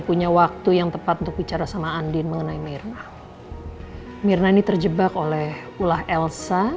punya waktu yang tepat untuk bicara sama andin mengenai mirna mirna ini terjebak oleh ulah elsa